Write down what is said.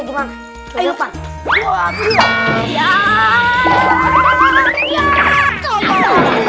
kamu tahu jurnal